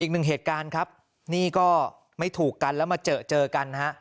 อีกหนึ่งเหตุการณ์ครับนี่ก็ไม่ถูกกันแล้วมาเจอเจอกันฮะ